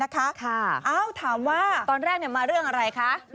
ค่ะตอนแรกมาเรื่องอะไรคะถามว่า